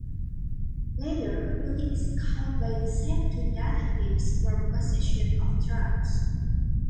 Later, Willie is caught by the same two detectives, for possession of drugs.